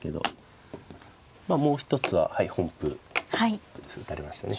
もう一つは本譜打たれましたね